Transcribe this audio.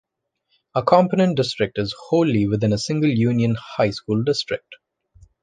A component district is wholly within a single union high school district.